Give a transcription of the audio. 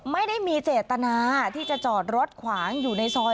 ไม่ได้มีเจตนาที่จะจอดรถขวางอยู่ในซอย